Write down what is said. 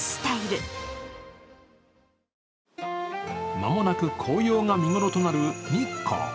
間もなく紅葉が見頃となる日光。